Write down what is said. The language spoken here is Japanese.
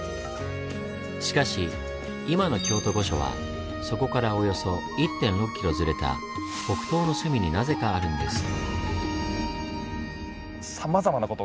しかし今の京都御所はそこからおよそ１．６キロずれた北東の隅になぜかあるんです。